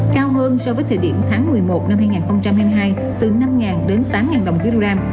cao hơn so với thời điểm tháng một mươi một năm hai nghìn hai mươi hai từ năm đến tám đồng một kg